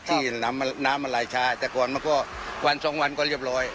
ที่น้ำมันไหลช้าแต่ก่อนมันก็วันสองวันก็เรียบร้อย